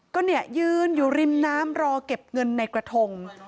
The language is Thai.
ก็เนี่ยยืนอยู่ริมน้ำรอเก็บเงินในกระทง